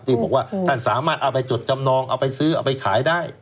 ที่บอกว่าท่านสามารถเอาไปจดจำนองเอาไปซื้อเอาไปขายได้